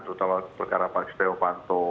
terutama perkara pak sidenovanto